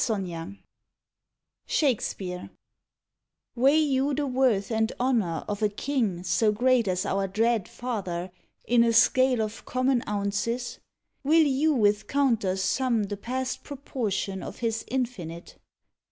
60 SHAKESPEARE Weigh you the worth and honor of a king So great as our dread father in a scale Of common ounces? Will you with counters sum The past proportion of his infinite?